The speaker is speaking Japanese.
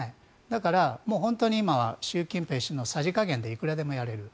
だから本当に今は習近平氏のさじ加減でいくらでもやれる。